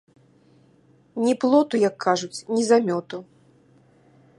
Ні плоту, як кажуць, ні замёту.